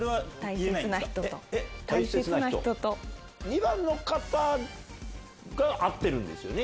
２番の方が会ってるんですよね？